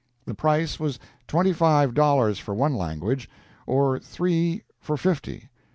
The price was twenty five dollars for one language, or three for fifty.